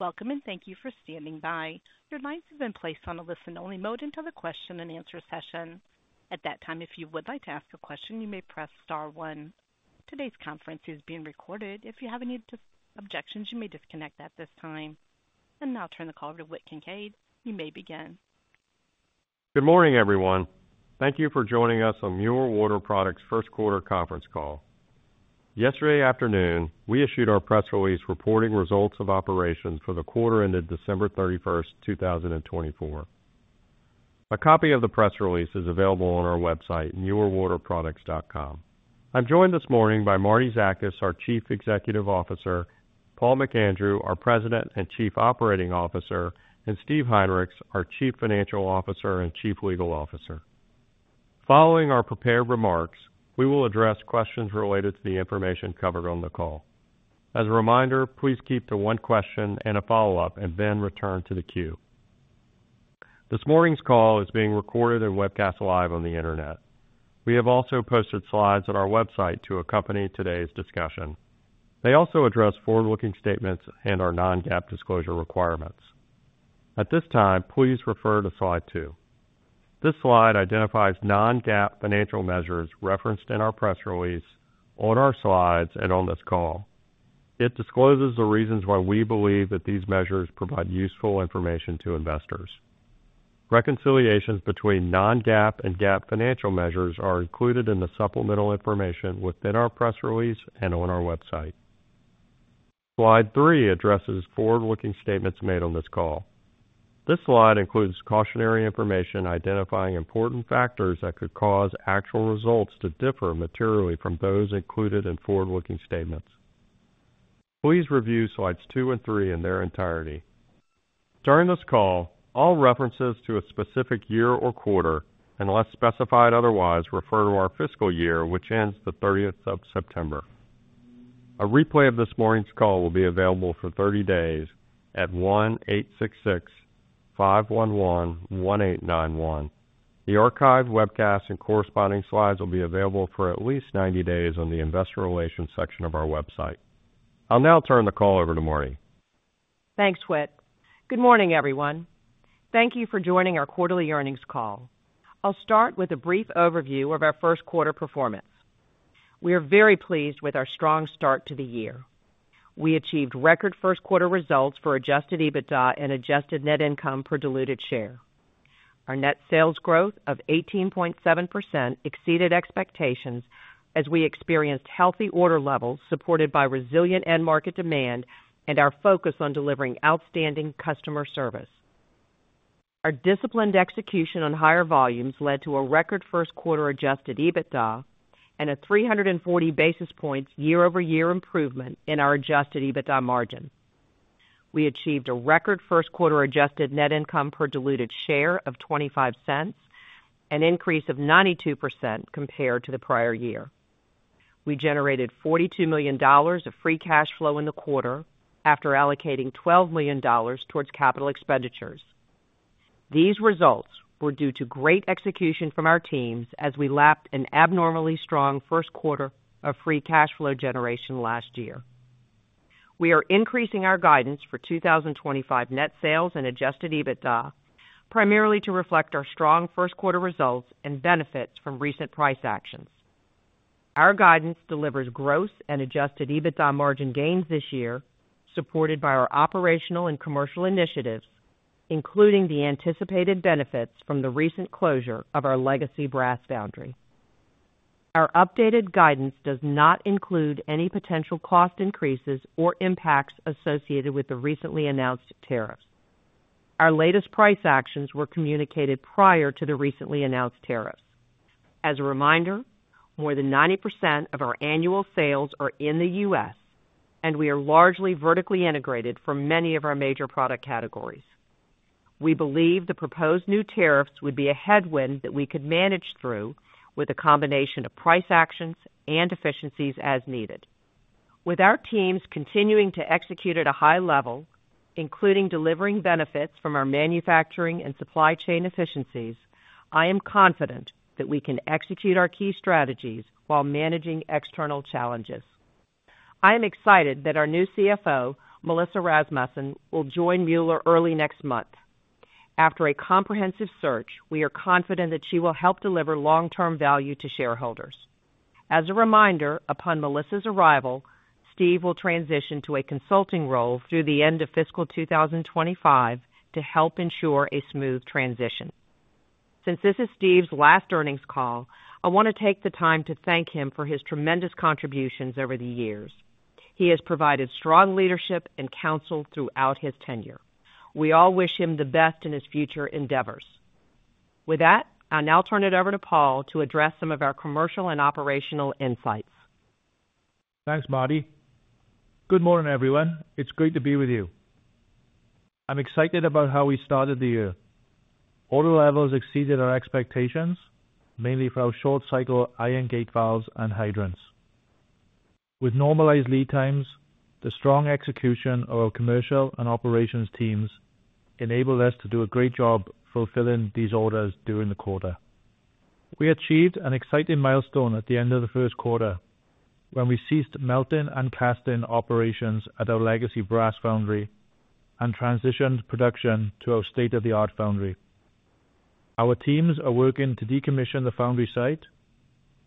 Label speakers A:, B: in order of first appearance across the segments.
A: Welcome and thank you for standing by. Your lines have been placed on a listen only mode until the question and answer session. At that time, if you would like to ask a question, you may press star one. Today's conference is being recorded. If you have any objections, you may disconnect at this time and I'll turn the call over to Whit Kincaid. You may begin.
B: Good morning everyone. Thank you for joining us on Mueller Water Products Q1 Conference Call. Yesterday afternoon we issued our press release reporting results of operations for the quarter ended 31 December 2024. A copy of the press release is available on our website, muellerwaterproducts.com. I'm joined this morning by Martie Zakas, our Chief Executive Officer, Paul McAndrew, our President and Chief Operating Officer, and Steve Heinrichs, our Chief Financial Officer and Chief Legal Officer. Following our prepared remarks, we will address questions related to the information covered on the call. As a reminder, please keep to one question and a follow up and then return to the queue. This morning's call is being recorded and webcast live on the Internet. We have also posted slides on our website to accompany today's discussion. They also address forward-looking statements and our non-GAAP disclosure requirements. At this time, please refer to slide two. This slide identifies non-GAAP financial measures referenced in our press release on our slides and on this call. It discloses the reasons why we believe that these measures provide useful information to investors. Reconciliations between non-GAAP and GAAP financial measures are included in the supplemental information within our press release and on our website. Slide three addresses forward-looking statements made on this call. This slide includes cautionary information identifying important factors that could cause actual results to differ materially from those included in forward-looking statements. Please review slides two and three in their entirety during this call. All references to a specific year or quarter, unless specified otherwise, refer to our fiscal year which ends 30th September. A replay of this morning's call will be available for 30 days at 1-866-511-1891. The archived webcast and corresponding slides will be available for at least 90 days on the Investor Relations section of our website. I'll now turn the call over to Martie.
C: Thanks, Whit. Good morning everyone. Thank you for joining our quarterly earnings call. I'll start with a brief overview of our Q1 performance. We are very pleased with our strong start to the year. We achieved record Q1 results for adjusted EBITDA and adjusted net income per diluted share. Our net sales growth of 18.7% exceeded expectations as we experienced healthy order levels supported by resilient end market demand and our focus on delivering outstanding customer service. Our disciplined execution on higher volumes led to a record Q1 adjusted EBITDA and a 340 basis points year-over-year improvement in our adjusted EBITDA margin. We achieved a record Q1 adjusted net income per diluted share of $0.25, an increase of 92% compared to the prior year. We generated $42 million of free cash flow in the quarter after allocating $12 million towards capital expenditures. These results were due to great execution from our teams as we lapped an abnormally strong Q1 of free cash flow generation last year. We are increasing our guidance for 2025 net sales and adjusted EBITDA primarily to reflect our strong Q1 results and benefits from recent price actions. Our guidance delivers gross and adjusted EBITDA margin gains this year supported by our operational and commercial initiatives including the anticipated benefits from the recent closure of our legacy brass foundry. Our updated guidance does not include any potential cost increases or impacts associated with the recently announced tariffs. Our latest price actions were communicated prior to the recently announced tariffs. As a reminder, more than 90% of our annual sales are in the US and we are largely vertically integrated for many of our major product categories. We believe the proposed new tariffs would be a headwind that we could manage through with a combination of price actions and efficiencies as needed. With our teams continuing to execute at a high level, including delivering benefits from our manufacturing and supply chain efficiencies, I am confident that we can execute our key strategies while managing external challenges. I am excited that our new CFO, Melissa Rasmussen, will join Mueller early next month after a comprehensive search. We are confident that she will help deliver long-term value to shareholders. As a reminder, upon Melissa's arrival, Steve will transition to a consulting role through the end of fiscal 2025 to help ensure a smooth transition. Since this is Steve's last earnings call, I want to take the time to thank him for his tremendous contributions over the years. He has provided strong leadership and counsel throughout his tenure. We all wish him the best in his future endeavors. With that, I'll now turn it over to Paul to address some of our commercial and operational insights.
D: Thanks, Martie. Good morning everyone. It's great to be with you. I'm excited about how we started the year. Order levels exceeded our expectations mainly for our short cycle iron gate valves and hydrants with normalized lead times. The strong execution of our commercial and operations teams enabled us to do a great job fulfilling these orders during the quarter. We achieved an exciting milestone at the end of the Q1 when we ceased melting and casting operations at our legacy brass foundry and transitioned production to our state-of-the-art foundry. Our teams are working to decommission the foundry site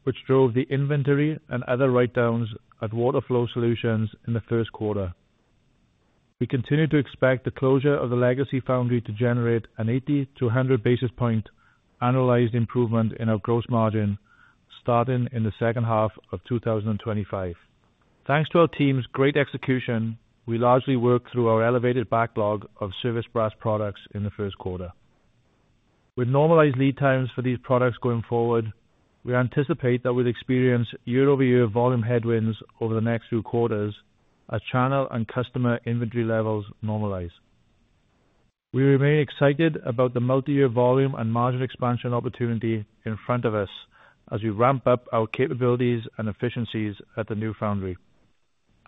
D: which drove the inventory and other write-downs at Water Flow Solutions in the Q1. We continue to expect the closure of the legacy foundry to generate an 80 to 100 basis points annualized improvement in our gross margin starting in the second half of 2025. Thanks to our team's great execution, we largely worked through our elevated backlog of service brass products in the Q1 with normalized lead times for these products going forward. We anticipate that we'll experience year-over-year volume headwinds over the next few quarters as channel and customer inventory levels normalize. We remain excited about the multiyear volume and margin expansion opportunity in front of us as we ramp up our capabilities and efficiencies at the new foundry.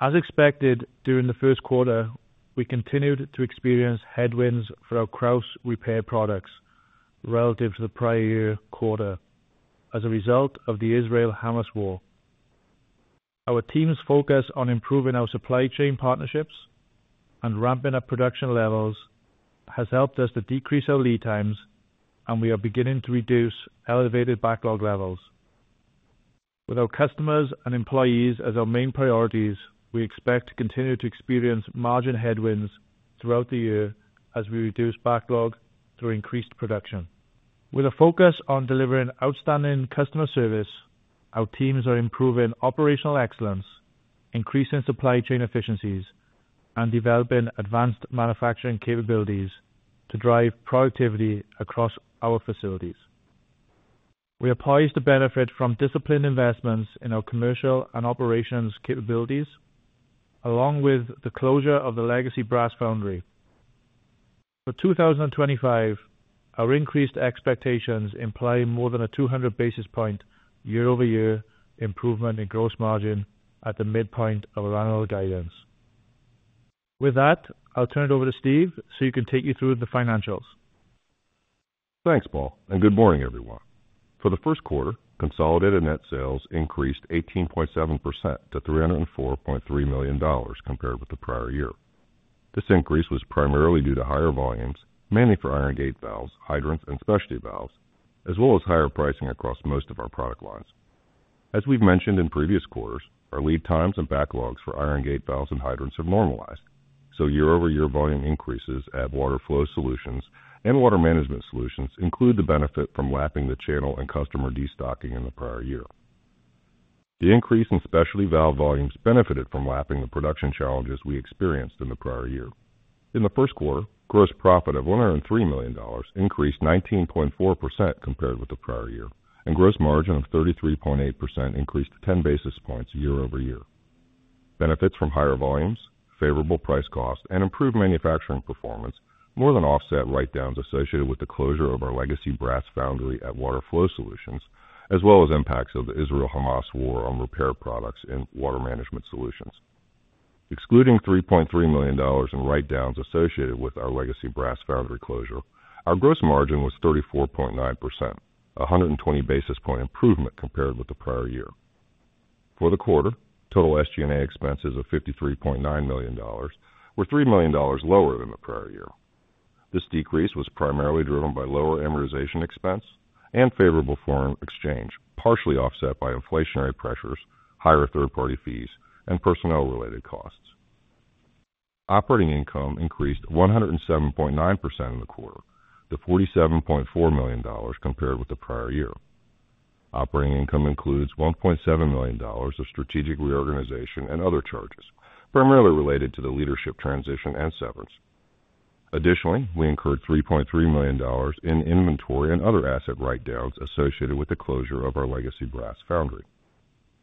D: As expected during the Q1, we continued to experience headwinds for our Krausz repair products relative to the prior year quarter as a result of the Israel-Hamas war. Our team's focus on improving our supply chain partnerships and ramping up production levels has helped us to decrease our lead times and we are beginning to reduce elevated backlog levels with our customers and employees as our main priorities. We expect to continue to experience margin headwinds throughout the year as we reduce backlog through increased production. With a focus on delivering outstanding customer service, our teams are improving operational excellence, increasing supply chain efficiencies and developing advanced manufacturing capabilities to drive productivity across our facilities. We are poised to benefit from disciplined investments in our commercial and operations capabilities along with the closure of the legacy brass foundry for 2025. Our increased expectations imply more than a 200 basis point year-over-year improvement in gross margin at the midpoint of our annual guidance. With that, I'll turn it over to Steve so he can take you through the financials.
E: Thanks, Paul, and good morning, everyone. For the Q1, consolidated net sales increased 18.7% to $304.3 million compared with the prior year. This increase was primarily due to higher volumes, mainly for iron gate valves, hydrants, and specialty valves, as well as higher pricing across most of our product lines. As we've mentioned in previous quarters, our lead times and backlogs for iron gate valves and hydrants have normalized, so year-over-year volume increases. And water flow solutions and water management solutions include the benefit from lapping the channel and customer destocking in the prior year. The increase in specialty valve volumes benefited from lapping the production challenges we experienced in the prior year. In the Q1, gross profit of $103 million increased 19.4% compared with the prior year, and gross margin of 33.8% increased 10 basis points year-over-year. Benefits from higher volumes, favorable price cost and improved manufacturing performance more than offset write-downs associated with the closure of our legacy brass foundry at Water Flow Solutions as well as impacts of the Israel-Hamas war on repair products and water management solutions. Excluding $3.3 million in write-downs associated with our legacy brass foundry closure, our gross margin was 34.9%, 120 basis points improvement compared with the prior year. For the quarter, total SG&A expenses of $53.9 million were $3 million lower than the prior year. This decrease was primarily driven by lower amortization expense and favorable foreign exchange partially offset by inflationary pressures, higher third-party fees and personnel-related costs. Operating income increased 107.9% in the quarter to $47.4 million compared with the prior year. Operating income includes $1.7 million of strategic reorganization and other charges primarily related to the leadership transition and severance. Additionally, we incurred $3.3 million in inventory and other asset write-downs associated with the closure of our legacy brass foundry.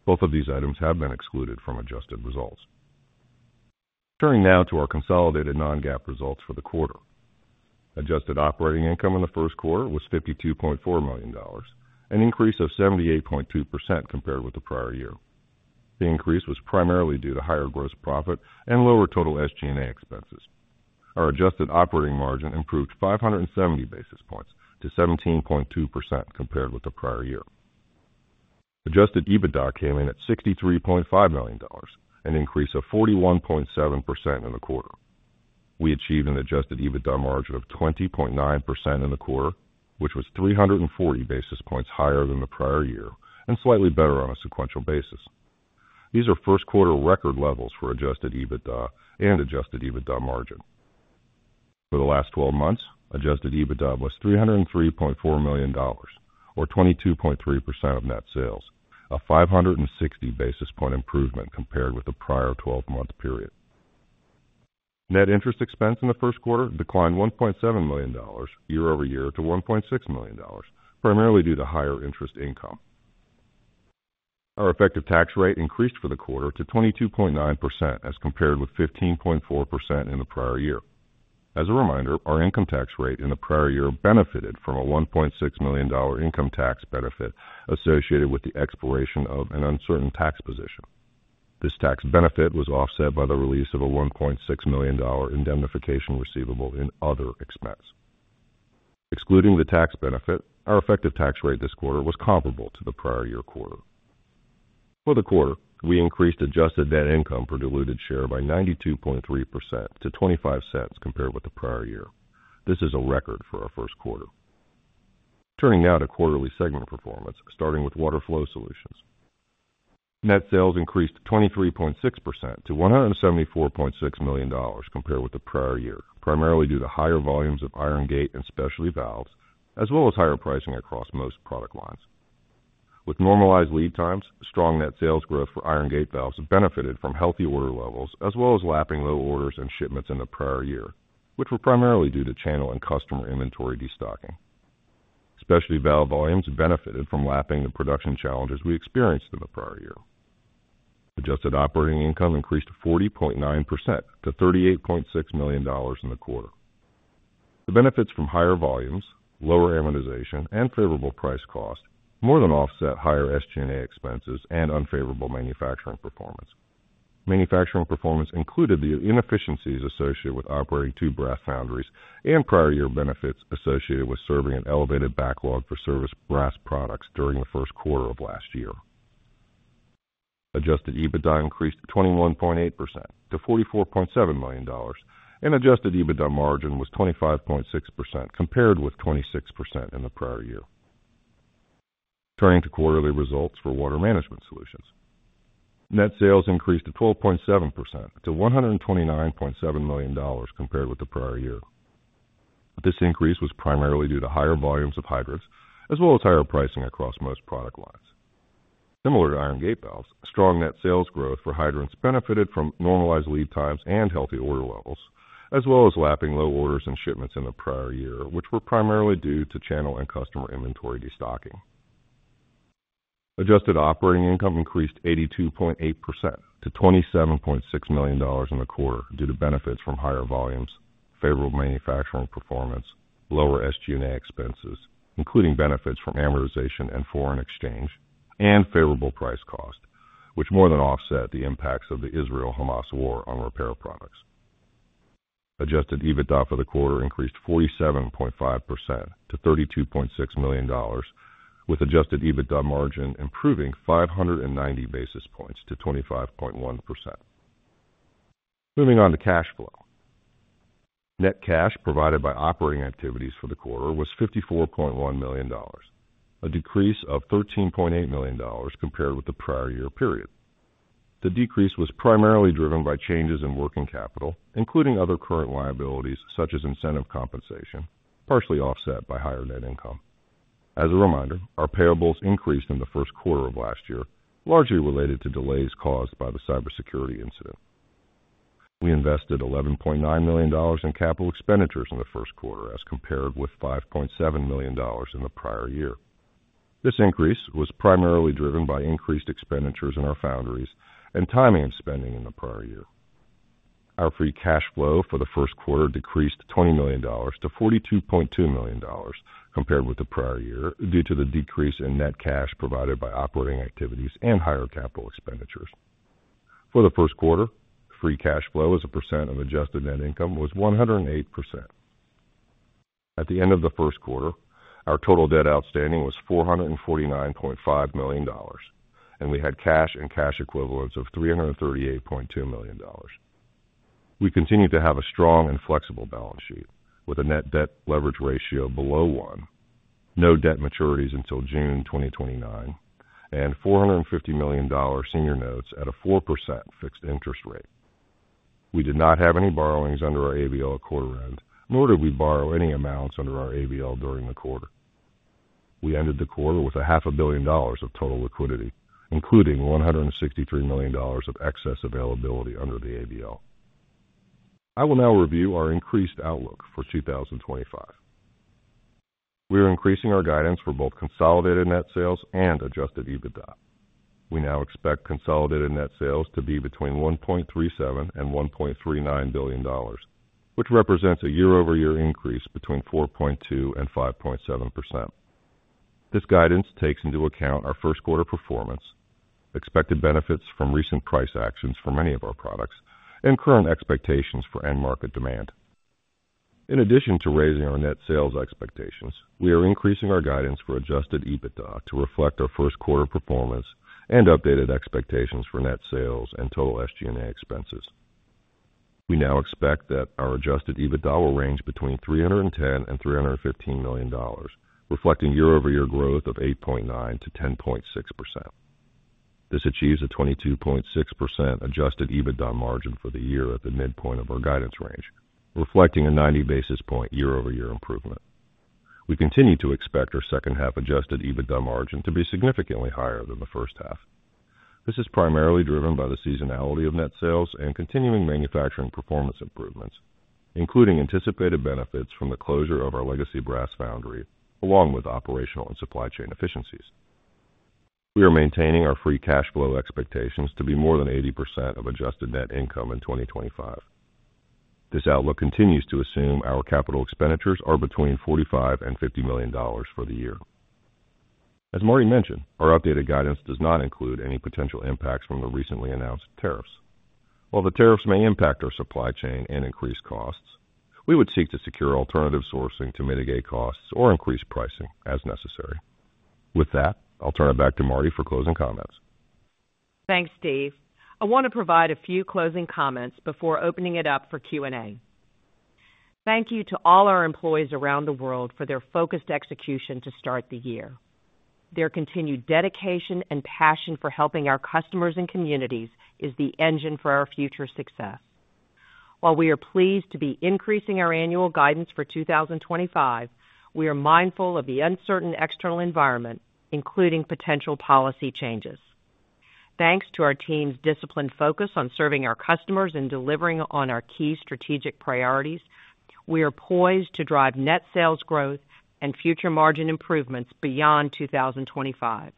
E: Both of these items have been excluded from adjusted results. Turning now to our consolidated non-GAAP results for the quarter, adjusted operating income in the Q1 was $52.4 million, an increase of 78.2% compared with the prior year. The increase was primarily due to higher gross profit and lower total SG&A expenses. Our adjusted operating margin improved 570 basis points to 17.2% compared with the prior year. Adjusted EBITDA came in at $63.5 million, an increase of 41.7% in the quarter. We achieved an adjusted EBITDA margin of 20.9% in the quarter which was 340 basis points higher than the prior year and slightly better on a sequential basis. These are Q1 record levels for adjusted EBITDA and adjusted EBITDA margin for the last 12 months. Adjusted EBITDA was $303.4 million or 22.3% of net sales, a 560 basis points improvement compared with the prior 12-month period. Net interest expense in the Q1 declined $1.7 million year-over-year to $1.6 million primarily due to higher interest income. Our effective tax rate increased for the quarter to 22.9% as compared with 15.4% in the prior year. As a reminder, our income tax rate in the prior year benefited from a $1.6 million income tax benefit with the expiration of an uncertain tax position. This tax benefit was offset by the release of a $1.6 million indemnification receivable in other expense. Excluding the tax benefit. Our effective tax rate this quarter was comparable to the prior year. Quarter-for-quarter, we increased adjusted net income per diluted share by 92.3% to $0.25 compared with the prior year. This is a record for our Q1. Turning now to quarterly segment performance, starting with Water Flow Solutions, net sales increased 23.6% to $174.6 million compared with the prior year primarily due to higher volumes of iron gate valves and specialty valves as well as higher pricing across most product lines with normalized lead times. Strong net sales growth for iron gate valves benefited from healthy order levels as well as lapping low orders and shipments in the prior year which were primarily due to channel and customer inventory destocking. Specialty valve volumes benefited from lapping the production challenges we experienced in the prior year. Adjusted operating income increased 40.9% to $38.6 million in the quarter. The benefits from higher volumes, lower amortization and favorable price cost more than offset higher SGA expenses and unfavorable manufacturing performance. Manufacturing performance included the inefficiencies associated with operating two brass foundries and prior year benefits associated with serving an elevated backlog for service brass products. During the Q1 of last year. Adjusted EBITDA increased 21.8% to $44.7 million and adjusted EBITDA margin was 25.6% compared with 26% in the prior year. Turning to quarterly results for Water Management Solutions, net sales increased 12.7% to $129.7 million compared with the prior year. This increase was primarily due to higher volumes of hydrants as well as higher pricing across most product lines. Similar to iron gate valves, strong net sales growth for hydrants benefited from normalized lead times and healthy order levels as well as lapping low orders and shipments in the prior year which were primarily due to channel and customer inventory destocking. Adjusted operating income increased 82.8% to $27.6 million in the quarter due to benefits from higher volumes, favorable manufacturing performance, lower SG&A expenses including benefits from amortization and foreign exchange, and favorable price cost which more than offset the impacts of the Israel-Hamas war on repair products. Adjusted EBITDA for the quarter increased 47.5% to $32.6 million, with adjusted EBITDA margin improving 590 basis points to 25.1%. Moving on to cash flow, net cash provided by operating activities for the quarter was $54.1 million, a decrease of $13.8 million compared with the prior year period. The decrease was primarily driven by changes in working capital, including other current liabilities such as incentive compensation, partially offset by higher net income. As a reminder, our payables increased in the Q1 of last year, largely related to delays caused by the cybersecurity incident. We invested $11.9 million in capital expenditures in the Q1 as compared with $5.7 million in the prior year. This increase was primarily driven by increased expenditures in our foundries and timing of spending in the prior year. Our free cash flow for the Q1 decreased $20 million to 42.2 million compared with the prior year due to the decrease in net cash provided by operating activities and higher capital expenditures for the Q1. Free cash flow as a percent of adjusted net income was 108% at the end of the Q1. Our total debt outstanding was $449.5 million and we had cash and cash equivalents of $338.2 million. We continue to have a strong and flexible balance sheet with a net debt leverage ratio below one, no debt maturities until June 2029 and $450 million senior notes at a 4% fixed interest rate. We did not have any borrowings under our ABL at quarter end, nor did we borrow any amounts under our ABL during the quarter. We ended the quarter with $0.5 billion of total liquidity including $163 million of excess availability under the ABL. I will now review our increased outlook for 2025. We are increasing our guidance for both consolidated net sales and adjusted EBITDA. We now expect consolidated net sales to be between $1.37 to 1.39 billion, which represents a year-over-year increase between 4.2% and 5.7%. This guidance takes into account our Q1 performance, expected benefits from recent price actions for many of our products, and current expectations for end market demand. In addition to raising our net sales expectations, we are increasing our guidance for adjusted EBITDA to reflect our Q1 performance and updated expectations for net sales and total SG&A expenses. We now expect that our Adjusted EBITDA will range between $310 million and 315 million, reflecting year-over-year growth of 8.9% to 10.6%. This achieves a 22.6% Adjusted EBITDA margin for the year at the midpoint of our guidance range, reflecting a 90 basis points year-over-year improvement. We continue to expect our second half Adjusted EBITDA margin to be significantly higher than the first half. This is primarily driven by the seasonality of net sales and continuing manufacturing performance improvements, including anticipated benefits from the closure of our legacy brass foundry, along with operational and supply chain efficiencies. We are maintaining our free cash flow expectations to be more than 80% of adjusted net income in 2025. This outlook continues to assume our capital expenditures are between $45 and 50 million for the year. As Martie mentioned, our updated guidance does not include any potential impacts from the recently announced tariffs. While the tariffs may impact our supply chain and increase costs, we would seek to secure alternative sourcing to mitigate costs or increase pricing as necessary. With that, I'll turn it back to Martie for closing comments.
C: Thanks Steve. I want to provide a few closing comments before opening it up for Q and A. Thank you to all our employees around the world for their focused execution to start the year. Their continued dedication and passion for helping our customers and communities is the engine for our future success. While we are pleased to be increasing our annual guidance for 2025, we are mindful of the uncertain external environment, including potential policy changes. Thanks to our team's disciplined focus on serving our customers and delivering on our key strategic priorities, we are poised to drive net sales growth and future margin improvements beyond 2025.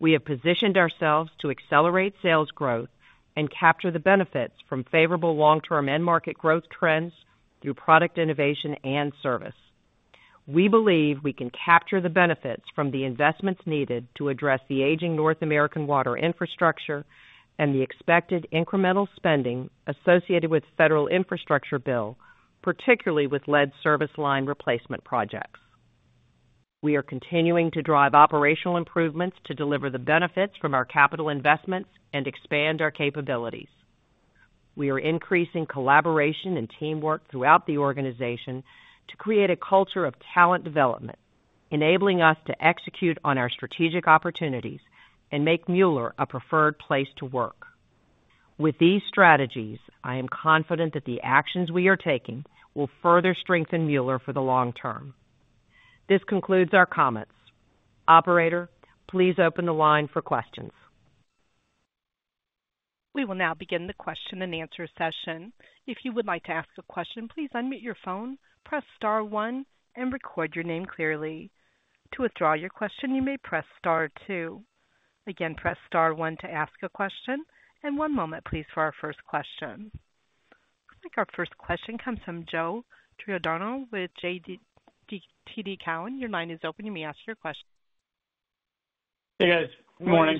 C: We have positioned ourselves to accelerate sales growth and capture the benefits from favorable long term end market growth trends through product innovation and service. We believe we can capture the benefits from the investments needed to address the aging North American water infrastructure and the expected incremental spending associated with federal infrastructure bill, particularly with lead service line replacement projects. We are continuing to drive operational improvements to deliver the benefits from our capital investments and expand our capabilities. We are increasing collaboration and teamwork throughout the organization to create a culture of talent development, enabling us to execute on our strategic opportunities and make Mueller a preferred place to work. With these strategies. I am confident that the actions we are taking will further strengthen Mueller for the long term. This concludes our comments. Operator, please open the line for questions.
A: We will now begin the question and answer session. If you would like to ask a question, please unmute your phone, press star one, and record your name clearly. To withdraw your question, you may press star two. Again press star one to ask a question, and one moment please. For our first question. Our first question comes from Joe Giordano with TD Cowen. Your line is open, you may ask your question.
F: Hey guys, good morning.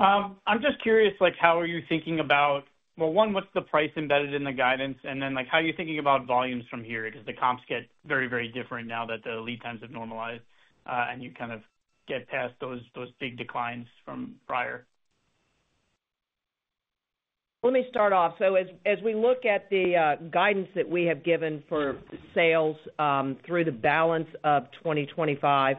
F: I'm just curious, like, how are you thinking about? Well, one, what's the price embedded in the guidance? And then, like, how are you thinking about volumes from here? Because the comps get very, very different now that the lead times have normalized and you kind of get past those big declines from prior.
C: Let me start off so as we look at the guidance that we have given for sales through the balance of 2025,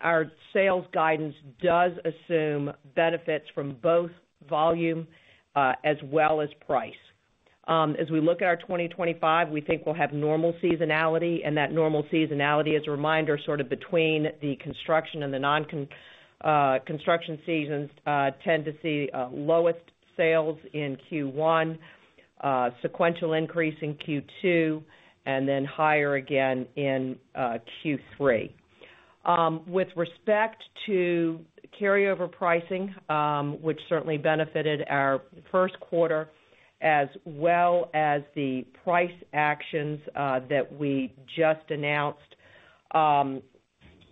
C: our sales guidance does assume benefits from both volume as well as price. As we look at our 2025, we think we'll have normal seasonality and that normal seasonality is a reminder sort of between the construction and the non construction seasons tend to see lowest sales in Q1, sequential increase in Q2 and then higher again in Q3. With respect to carryover pricing which certainly benefited our Q1 as well as the price actions that we just announced.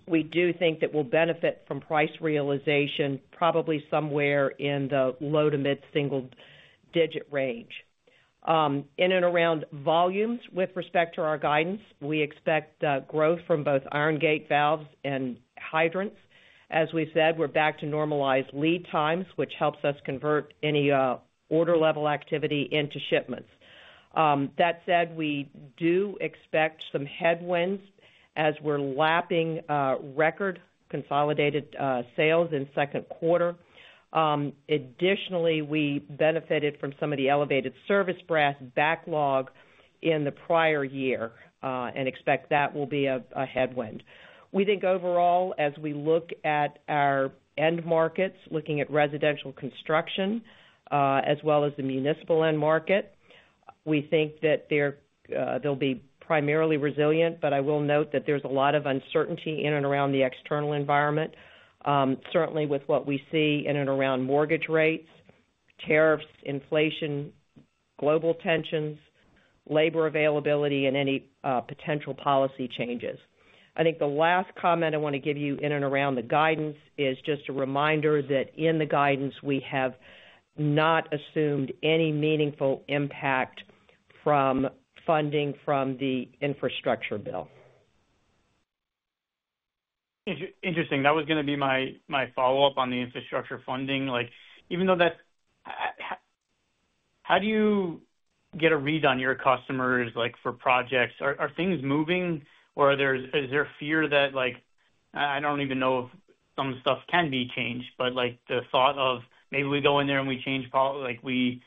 C: We do think that we'll benefit from price realization probably somewhere in the low- to mid-single-digit range in and around volumes. With respect to our guidance, we expect growth from both iron gate valves and hydrants. As we said, we're back to normalized lead times which helps us convert any order level activity into shipments. That said, we do expect some headwinds as we're lapping record consolidated sales in Q2. Additionally, we benefited from some of the elevated service brass backlog in the prior year and expect that will be a headwind. We think overall as we look at our end markets, looking at residential construction as well as the municipal end market, we think that they'll be primarily resilient. But I will note that there's a lot of uncertainty in and around the external environment, certainly with what we see in and around mortgage rates, tariffs, inflation, global tensions, labor availability and any potential policy changes. I think the last comment I want to give you in and around the guidance is just a reminder that in the guidance we have not assumed any meaningful impact from funding from the infrastructure bill.
F: Interesting. That was going to be my follow up on the infrastructure funding. Like even though that. How do you? Get a read on your customers like for projects are things moving or is there fear that like I don't even know if some stuff can be changed but like the thought of maybe we go in there and we change policy like we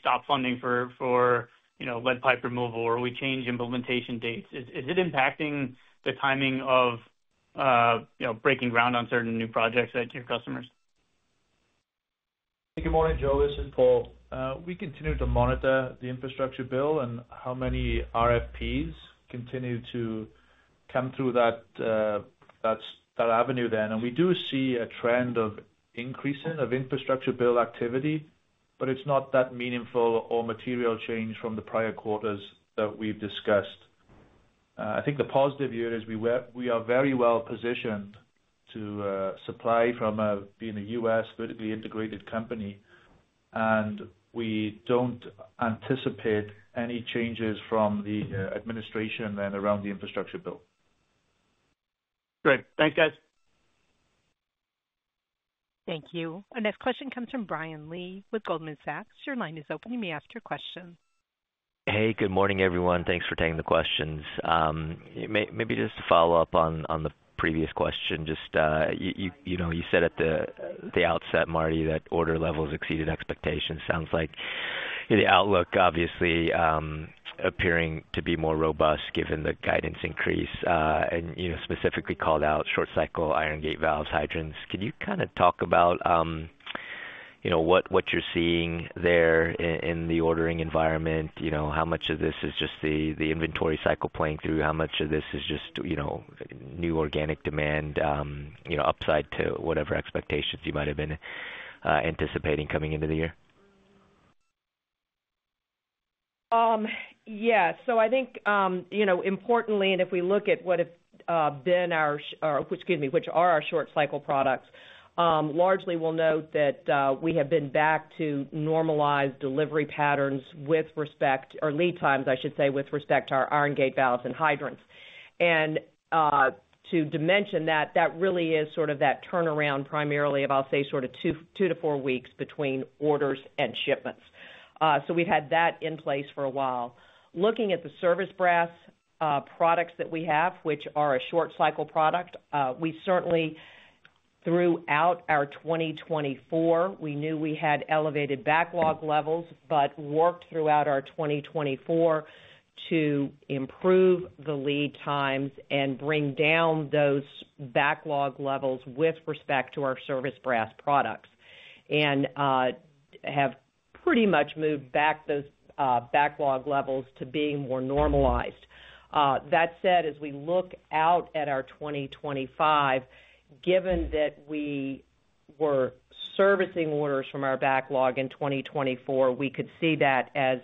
F: stop funding for you know lead pipe removal or we change implementation dates. Is it impacting the timing of, you know, breaking ground on certain new projects at your customers?
D: Good morning Joe. This is Paul. We continue to monitor the infrastructure bill and how many RFPs continue to come through that. And then. And we do see a trend of increasing of infrastructure bill activity, but it's not that meaningful or material change from the prior quarters that we've discussed. I think the positive here is we are very well positioned to supply from being a US vertically integrated company and we don't anticipate any changes from the administration and around the infrastructure bill.
F: Great. Thanks guys.
A: Thank you. Our next question comes from Brian Lee with Goldman Sachs. Your line is open, you may ask your questions.
G: Hey, good morning everyone. Thanks for taking the questions. Maybe just to follow up on the previous question. You said at the outset, Martie, that order levels exceeded expectations sounds like the outlook obviously appearing to be more robust given the guidance increase, and you specifically called out short cycle iron gate valves, hydrants. Could you kind of talk about, you know, what you're seeing there in the ordering environment, you know, how much of this is just the inventory cycle playing through, how much of this is just, you know, new organic demand, you know, upside to whatever expectations you might have been anticipating coming into the year?
C: Yes. So I think, you know, importantly, and if we look at what have been our, excuse me, which are our short cycle products largely, we'll note that we have been back to normalized delivery patterns with respect to lead times, I should say, with respect to our iron gate valves and hydrants. And to dimension that, that really is sort of that turnaround primarily of, I'll say, sort of two to four weeks between orders and shipments. So we've had that in place for a while. Looking at the service brass products that we have, which are a short cycle product, we certainly throughout our 2024 we knew we had elevated backlog levels, but worked throughout our 2024 to improve the lead times and bring down those backlog levels with respect to our service brass products and have pretty much moved back those backlog levels to being more normalized. That said, as we look out at our 2025, given that we were servicing orders from our backlog in 2024, we could see that as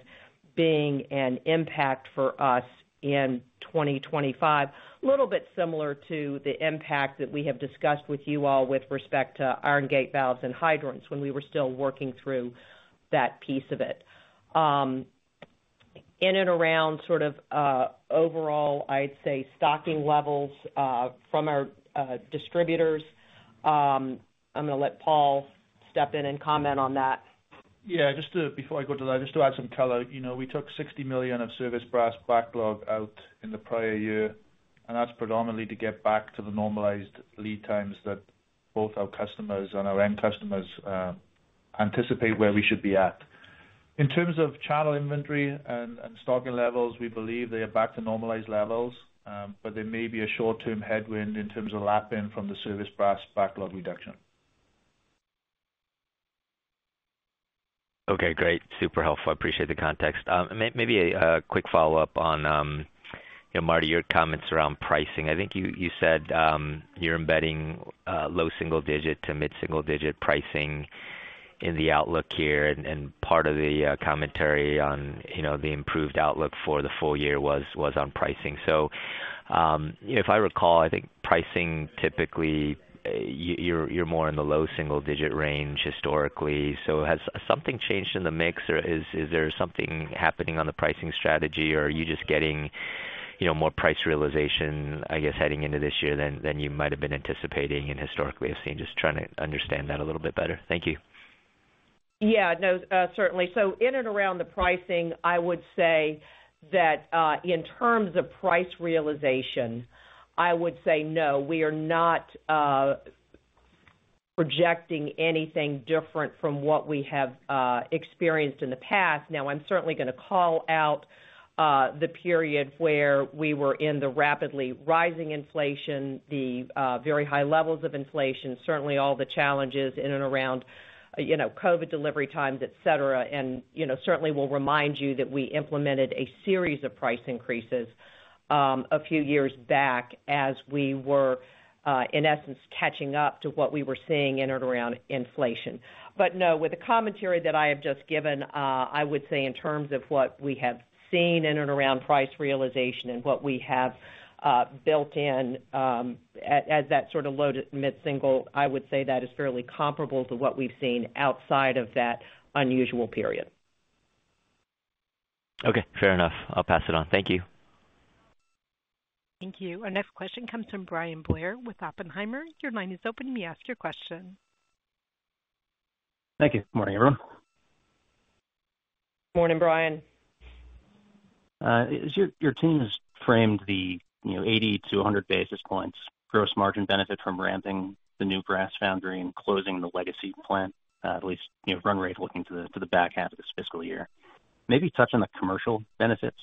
C: being an impact for us in 2025, a little bit similar to the impact that we have discussed with you all with respect to iron gate valves and hydrants with when we were still working through that piece of it. In and around sort of overall, I'd say stocking levels from our distributors. I'm going to let Paul step in and comment on that.
D: Yeah, just before I go to that, just to add some color, we took $60 million of service brass backlog out in the prior year and that's predominantly to get back to the normalized lead times that both our customers and our end customers anticipate where we should be at in terms of channel inventory and stocking levels. We believe they are back to normalized levels, but there may be a short-term headwind in terms of lap in from the service brass backlog reduction.
G: Okay, great. Super helpful. I appreciate the context. Maybe a quick follow up on Martie, your comments around pricing. I think you said you're embedding low single digit to mid single digit pricing in the outlook here and part of the commentary on the improved outlook for the full year was on pricing. So if I recall, I think pricing typically you're more in the low single digit range historically. So has something changed in the mix or is there something happening on the pricing strategy or are you just getting, you know, more price realization I guess heading into this year than you might have been anticipating and historically have seen? Just trying to understand that a little bit better. Thank you.
H: Yeah, no, certainly. So in and around the pricing, I would say that in terms of price realization, I would say no, we are not. Projecting anything different from what we have experienced in the past. Now I'm certainly going to call out the period where we were in the rapidly rising inflation, the very high levels of inflation, certainly all the challenges in and around, you know, COVID delivery times, et cetera. And you know, certainly we'll remind you that we implemented a series of price increases a few years back as we were in essence catching up to what we were seeing in and around inflation, but no, with the commentary that I have just given, I would say in terms of what we have seen in and around price realization and what we have built in as that sort of low to mid single, I would say that is fairly comparable to what we've seen outside of that unusual period.
G: Okay, fair enough. I'll pass it on. Thank you.
H: Thank you.
A: Our next question comes from Bryan Blair with Oppenheimer. Your line is open. We ask your question.
I: Thank you. Morning everyone.
H: Morning. Brian.
I: Your team has framed the 80 to 100 basis points gross margin benefit from ramping the new brass foundry and closing the legacy plant, at least run rate. Looking to the back half of this fiscal year, maybe touch on the commercial benefits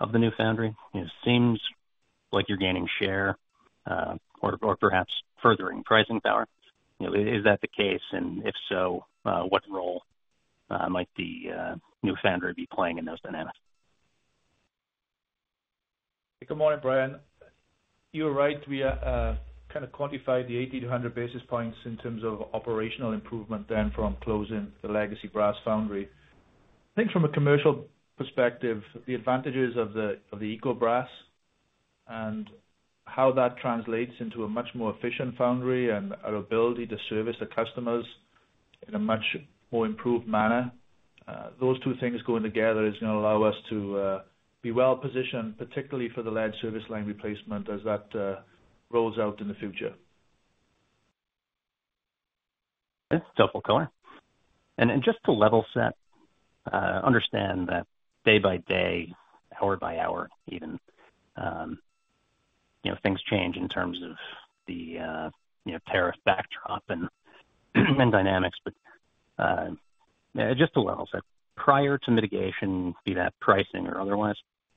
I: of the new foundry. It seems like you're gaining share or perhaps furthering pricing power. Is that the case? And if so, what role might the new foundry be playing in those dynamics?
D: Good morning, Bryan. You're right, we kind of quantified the 80 to 100 basis points in terms of operational improvement. Then from closing the legacy brass foundry, I think from a commercial perspective, the advantages of the Eco Brass and how that translates into a much more efficient foundry and our ability to service the customers in a much more improved manner, those two things going together is going to allow us to be well positioned particularly for the lead service line replacement as that rolls out in the future.
I: That's helpful, [Kohler,] and just to level set, understand that day by day, hour by hour, even. Things change in terms of the tariff backdrop and dynamics. But. Just a level set prior to mitigation, be that pricing or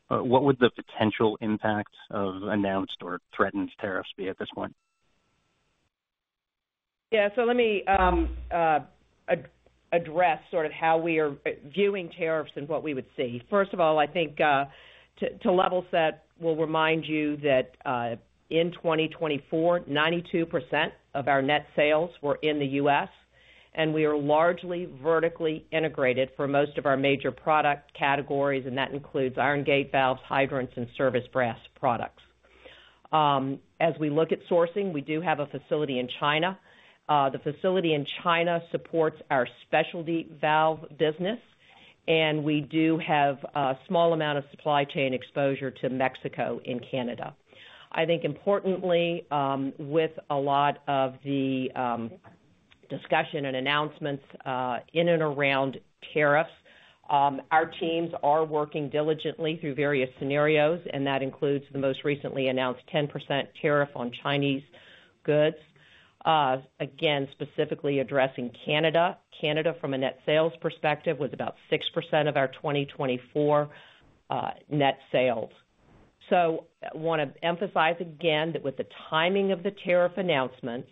I: otherwise, what would the potential impact of announced or threatened tariffs be at this point?
C: Yeah, so let me. Address sort of how we are viewing tariffs and what we would see first of all, I think two levels that will remind you that in 2024, 92% of our net sales were in the US and we are largely vertically integrated for most of our major product categories and that includes iron gate valves, hydrants and service brass products. As we look at sourcing, we do have a facility in China. The facility in China supports our specialty valve business and we do have a small amount of supply chain exposure to Mexico. In Canada, I think importantly, with a lot of the discussion and announcements in and around tariffs, our teams are working diligently through various scenarios and that includes the most recently announced tariff, 10% tariff on Chinese goods, again specifically addressing Canada. Canada from a net sales perspective was about 6% of our 2024 net sales. So I want to emphasize again that with the timing of the tariff announcements,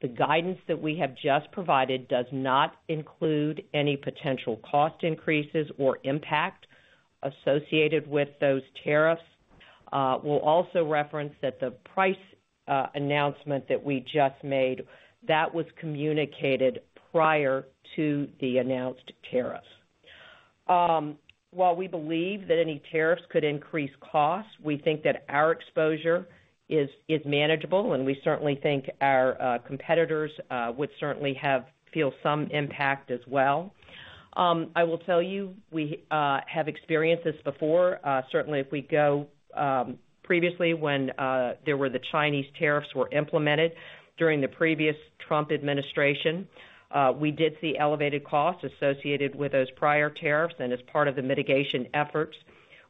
C: the guidance that we have just provided does not include any potential cost increases or impact of associated with those tariffs. We'll also reference that the price announcement that we just made that was communicated prior to the announced tariffs. While we believe that any tariffs could increase costs, we think that our exposure is manageable and we certainly think our competitors would certainly feel some impact as well. I will tell you, we have experienced this before. Certainly if we go previously when there were the Chinese tariffs implemented during the previous Trump administration, we did see elevated costs associated with those prior tariffs. As part of the mitigation efforts,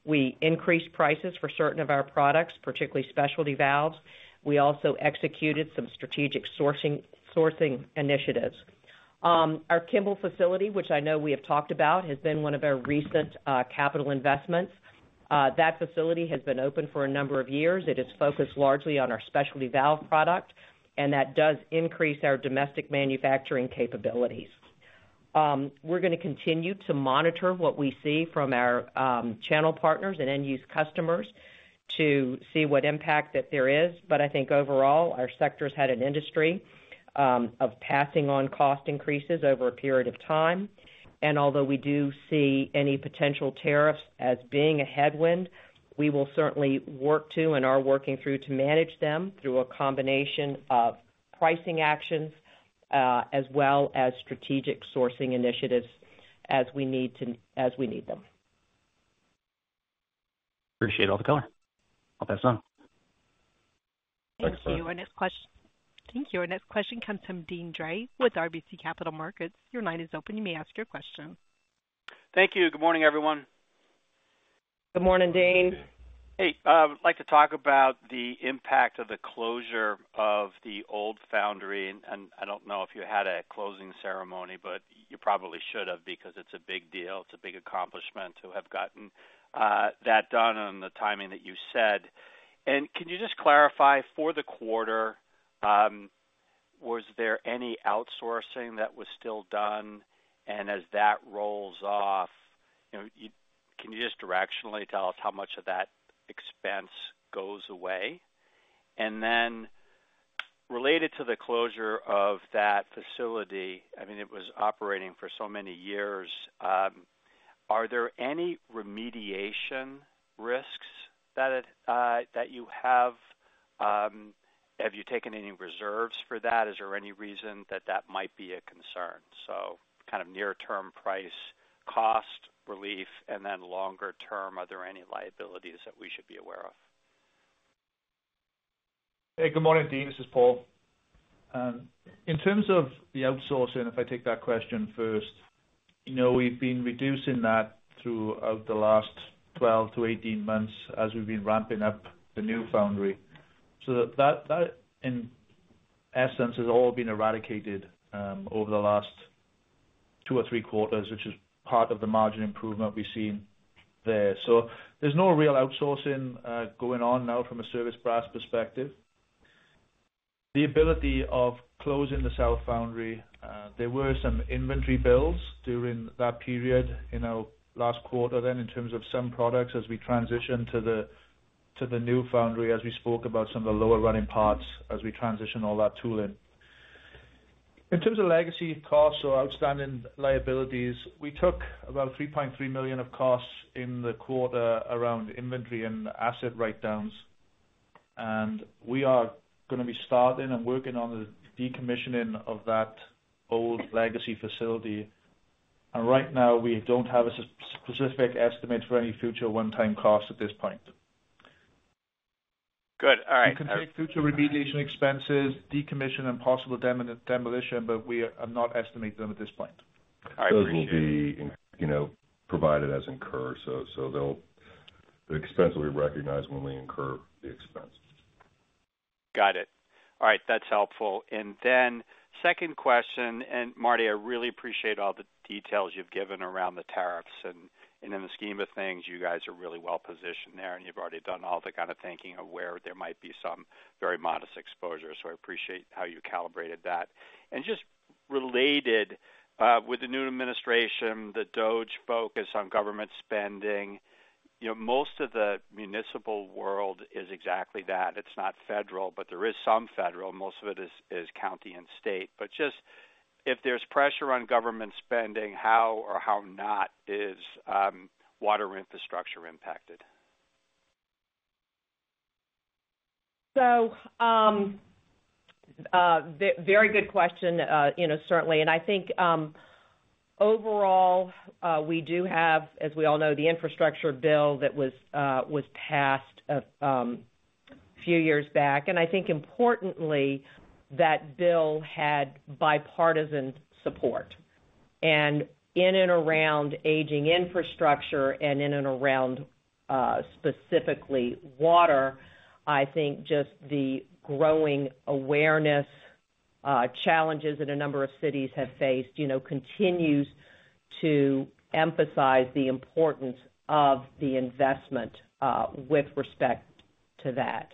C: we increased prices for certain of our products, particularly specialty valves. We also executed some strategic sourcing initiatives. Our Kimball facility, which I know we have talked about, has been one of our recent capital investments that facility has been open for a number of years. It is focused largely on our specialty valve product and that does increase our domestic manufacturing capabilities. We're going to continue to monitor what we see from our channel partners and end use customers to see what impact that there is, but I think overall our sector has a history of passing on cost increases over a period of time, and although we don't see any potential tariffs as being a headwind, we will certainly work through and are working through to manage them through a combination of pricing actions as well as strategic sourcing initiatives as we need them.
I: Appreciate all the color. I'll pass on.
E: Thank you.
A: Thank you. Our next question comes from Deane Dray with RBC Capital Markets. Your line is open. You may ask your question.
J: Thank you. Good morning everyone.
H: Good morning, Dean.
J: Hey. I'd like to talk about the impact of the closure of the old foundry, and I don't know if you had a closing ceremony, but you probably should have because it's a big deal. It's a big accomplishment to have gotten that done on the timing that you said, and can you just clarify for the quarter? Was there any outsourcing that was still done? And as that rolls off, can you just directionally tell us how much of that expense goes away and then related to the closure of that facility? I mean it was operating for so many years. Are there any remediation risks that you have? Have you taken any reserves for that? Is there any reason that that might be a concern? So kind of near term price cost relief and then longer term, are there any liabilities that we should be aware of?
D: Hey, good morning Deane, this is Paul. In terms of the outsourcing, if I take that question first, we've been reducing that throughout the last 12 to 18 months as we've been ramping up the new foundry. So that in essence has all been eradicated over the last two or three quarters, which is part of the margin improvement we've seen there. So there's no real outsourcing going on. Now from a service brass perspective, the ability of closing the south foundry, there were some inventory builds during that period in our last quarter. Then, in terms of some products, as we transition to the new foundry, as we spoke about some of the lower running parts, as we transition all that tooling, in terms of legacy costs or outstanding liabilities, we took about $3.3 million of costs in the quarter around inventory and asset write-downs, and we are going to be starting and working on the decommissioning of that old legacy facility, and right now we don't have a specific estimate for any future one-time cost at this point.
J: Good.
D: All right. You can take future remediation expenses, decommission and possible demolition, but we have not estimated them at this point.
K: Those will be, you know, provided as incurred. So the expense will be recognized when we incur the expense.
J: Got it. All right, that's helpful. And then second question. And Martie, I really appreciate all the details you've given around the tariffs and in the scheme of things, you guys are really well positioned there and you've already done all the kind of thinking of where there might be some very modest exposure. So I appreciate how you calibrated that. And just related with the new administration, the DOGE focus on government spending, you know, most of the municipal world is exactly that. It's not federal, but there is some federal. Most of it is county and state. But just if there's pressure on government spending, how or how not is water infrastructure impacted?
C: So. Very good question. You know, certainly. And I think overall we do have, as we all know, the infrastructure bill that was passed a few years back. And I think importantly that bill had bipartisan support and in and around aging infrastructure and in and around specifically water. I think just the growing awareness challenges that a number of cities have faced, you know, continues to emphasize the importance of the investment with respect to that.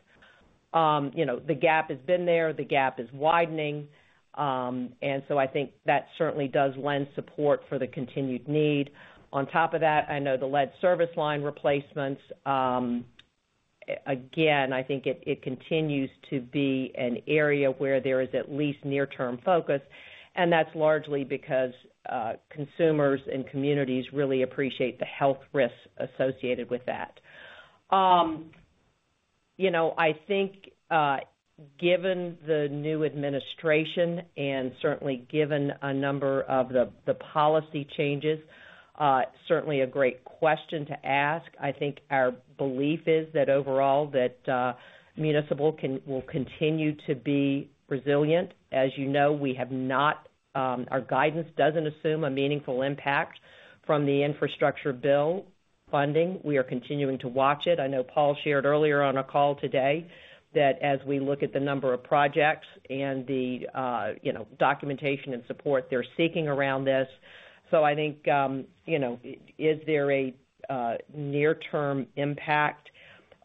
C: You know, the gap has been there, the gap is widening. And so I think that certainly does lend support for the continued need. On top of that, I know the lead service line replacements. Again, I think it continues to be an area where there is at least near-term focus, and that's largely because consumers and communities really appreciate the health risks associated with that. You know, I think given the new administration and certainly given a number of the policy changes, certainly a great question to ask. I think our belief is that overall that municipal will continue to be resilient. As you know, our guidance doesn't assume a meaningful impact from the infrastructure bill funding. We are continuing to watch it. I know Paul shared earlier on a call today that as we look at the number of projects and the documentation and support they're seeking around this. So I think, is there a near-term impact?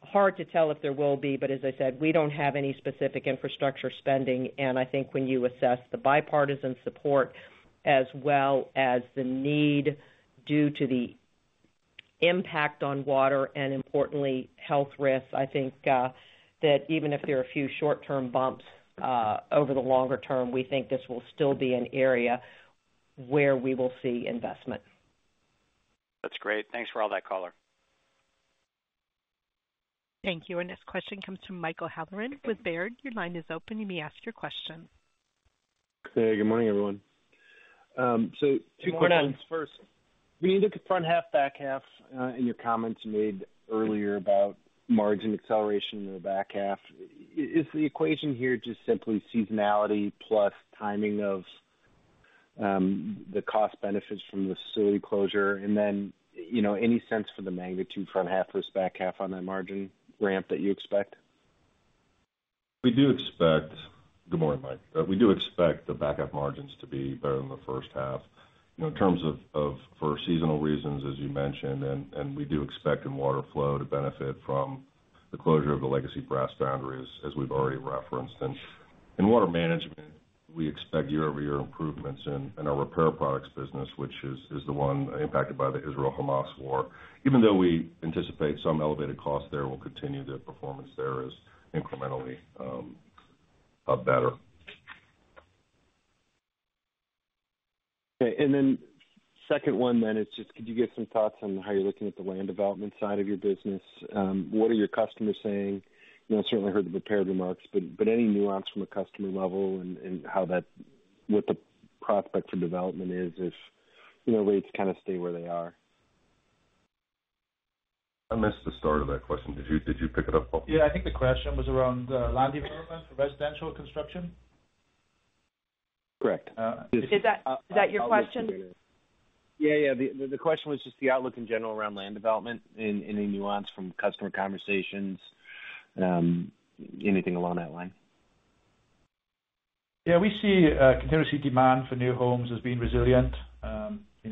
C: Hard to tell if there will be. But as I said, we don't have any specific infrastructure spending. I think when you assess the bipartisan support as well as the need due to the impact on water and importantly health risks, I think that even if there are a few short term bumps over the longer term, we think this will still be an area where we will see investment.
J: That's great. Thanks for all that color.
A: Thank you. Our next question comes from Michael Halloran with Baird. Your line is open. You may ask your question.
L: Good morning everyone. Two questions. First, when you look at front half, back half in your comments made earlier about margin acceleration in the back half, is the equation here just simply seasonality plus timing of? The cost benefits from the facility closure and then any sense for the magnitude front half versus back half on that margin ramp that you expect?
K: We do expect. Good morning, Mike. We do expect the back half margins to be better than the first half in terms of, for seasonal reasons as you mentioned. And we do expect in water flow to benefit from the closure of the legacy brass foundries as we've already referenced. And in water management, we expect year-over-year improvements in our repair products business which is the one impacted by the Israel-Hamas war. Even though we anticipate some elevated cost there will continue the performance there is incrementally. Better.
L: And then the second one then is just could you give some thoughts on how you're looking at the land development side of your business? What are your customers saying? Certainly heard the prepared remarks, but any nuance from a customer level and how that what the prospect for development is if rates kind of stay where they are?
K: I missed the start of that question. Did you pick it up?
D: Yeah, I think the question was around land development, residential construction.
E: Correct?
H: Is that your question?
L: Yeah, yeah. The question was just the outlook in general around land development. Any nuance from customer conversations. Anything along that line?
D: Yeah, we see continued demand for new homes as being resilient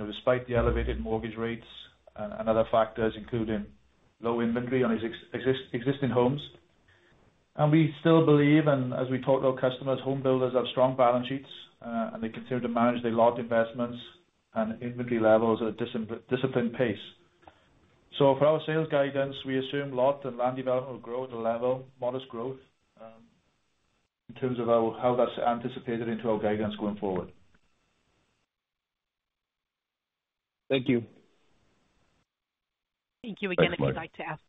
D: despite the elevated mortgage rates and other factors including low inventory on existing homes. And we still believe, and as we talk to our customers, home builders have strong balance sheets and they continue to manage their lot inventory levels at a disciplined pace. So for our sales guidance, we assume lot and land development will grow at a level modest growth in terms of how that's anticipated into our guidance going forward.
L: Thank you.
A: Thank you again. If you'd like to ask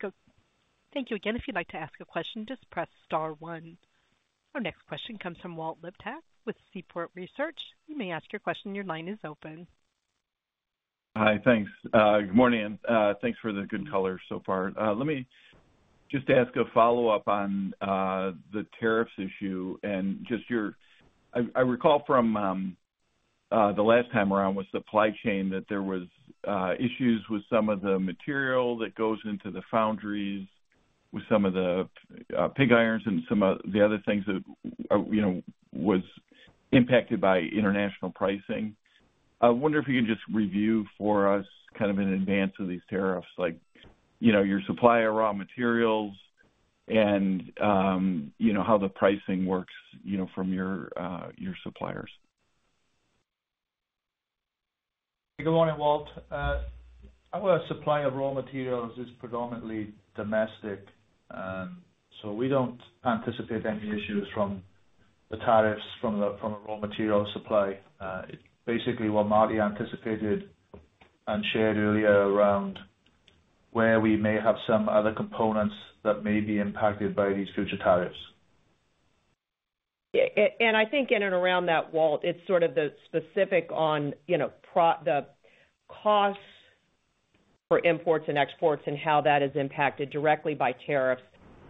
A: a question, just press star one. Our next question comes from Walter Liptak with Seaport Research. You may ask your question. Your line is open.
M: Hi, thanks. Good morning. Thanks for the good color so far. Let me just ask a follow-up on the tariffs issue and just your, I recall from the last time around with supply chain that there was issues with some of the material that goes into the foundries with some of the pig iron and some of the other things that, you know, was impacted by international pricing. I wonder if you can just review for us kind of in advance of these tariffs, like, you know, your supply of raw materials and you know, how the pricing works, you know, from your suppliers.
D: Good morning, Walt. Our supply of raw materials is predominantly domestic, so we don't anticipate any issues from the tariffs from the raw material supply. Basically what Martie anticipated and shared earlier around where we may have some other components that may be impacted by these future tariffs.
H: And I think in and around that, Walt, it's sort of the specific on the costs for imports and exports and how that is impacted directly by tariffs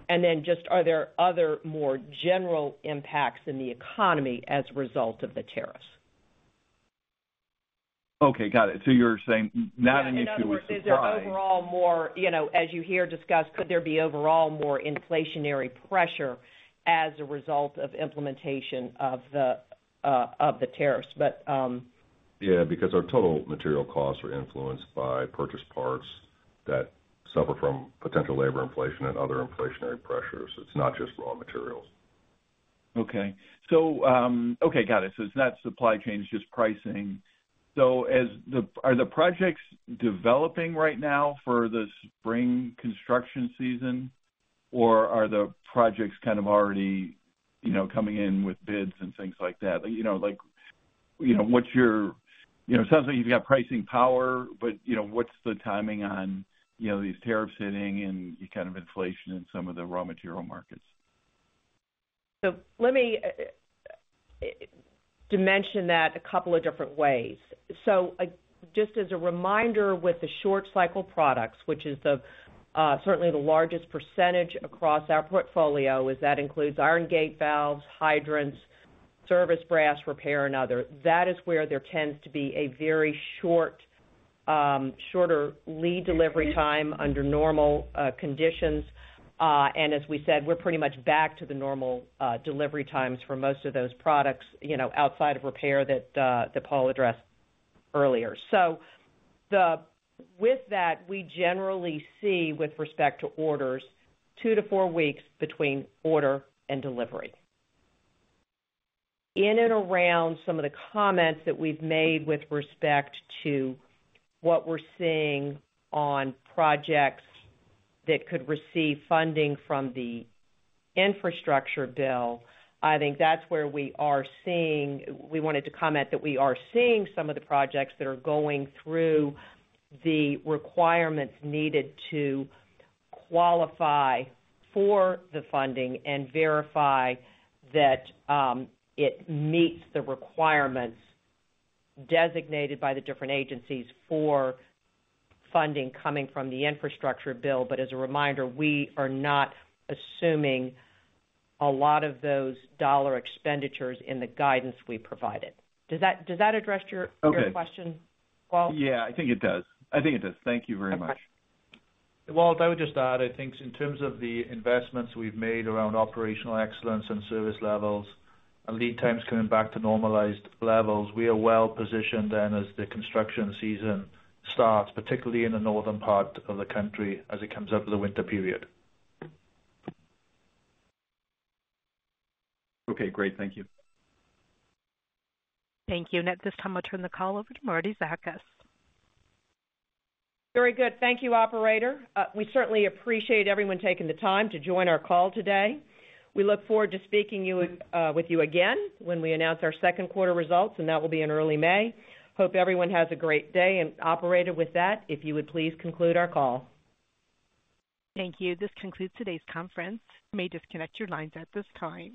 H: and then just are there other more general impacts in the economy as a result of the tariffs?
M: Okay, got it. So you're saying not an issue with?
C: Is there overall more, you know, as you hear discussed, could there be overall more inflationary pressure as a result of implementation of the tariffs?
K: But yeah, because our total material costs are influenced by purchase parts that suffer from potential labor inflation and other inflationary pressures. It's not just raw materials.
M: Okay, so. Okay, got it. So it's not supply chain, it's just pricing. So, are the projects developing right now for the spring construction season or are the projects kind of already, you know, coming in with bids and things like that? You know, like, you know, what's your. You know, it sounds like you've got. Pricing power, but you know, what's the timing on, you know, these tariffs sitting and kind of inflation in some of the raw material markets?
C: So let me. Dimension that a couple of different ways. So just as a reminder, with the short cycle products, which is certainly the largest percentage across our portfolio, that includes iron gate valves, hydrants, service brass, repair, and other. That is where there tends to be a very short lead delivery time under normal conditions. And as we said, we're pretty much back to the normal delivery times for most of those products outside of repair that Paul addressed earlier. So with that, we generally see with respect to orders, two to four weeks between order and delivery. In and around some of the comments that we've made with respect to what we're seeing on projects that could receive funding from the infrastructure bill, I think that's where we are seeing, we wanted to comment that we are seeing some of the projects that are going through the requirements needed to qualify for the funding and verify that it meets the requirements designated by the different agencies for funding coming from the infrastructure bill. But as a reminder, we are not assuming a lot of those dollar expenditures in the guidance we provided. Does that address your question, Walt?
M: Yes, I think it does. I think it does. Thank you very much,
E: Walt I would just add, I think in terms of the investments we've made around operational excellence and service levels and lead times coming back to normalized levels, we are well positioned then as the construction season starts, particularly in the northern part of the country as it comes up in the winter period.
M: Okay, great. Thank you.
A: Thank you. And at this time, I'll turn the call over to Martie Zakas.
C: Very good. Thank you, operator. We certainly appreciate everyone taking the time to join our call today. We look forward to speaking with you again when we announce our Q2 results, and that will be in early May. Hope everyone has a great day. And, operator, with that, if you would please conclude our call.
A: Thank you. This concludes today's conference. You may disconnect your lines at this time.